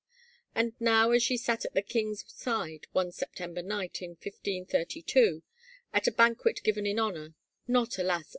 And now as she sat at the king's side one September night in 1532 at a banquet given in honor, not alas!